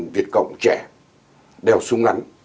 việt cộng trẻ đeo sung ắn